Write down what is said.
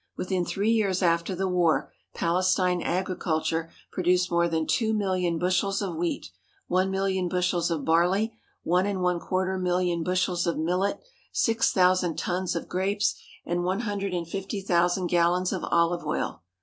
Within three years after the war Palestine agriculture produced more than two million bushels of wheat, one million bushels of barley, one and one quarter million bushels of millet, six thousand tons of grapes, and one hundred and fifty thousand gallons of olive oil.